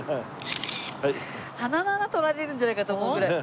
鼻の穴撮られるんじゃないかと思うぐらい。